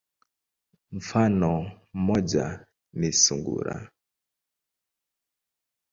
Mfano moja ni sungura.